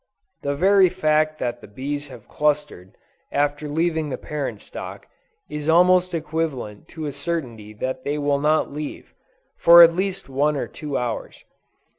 The very fact that the bees have clustered, after leaving the parent stock, is almost equivalent to a certainty that they will not leave, for at least one or two hours.